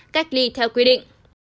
cách ly theo quy định